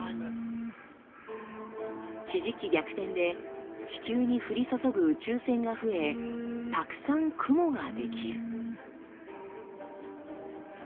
地磁気逆転で地球に降り注ぐ宇宙線が増えたくさん雲が出来る。